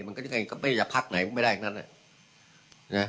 มันก็ยังไงก็ไม่ได้พักไหนมันไม่ได้อย่างนั้นน่ะ